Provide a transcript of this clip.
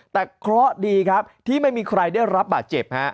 แต่เคราะห์ดีครับที่ไม่มีใครได้รับบาดเจ็บฮะ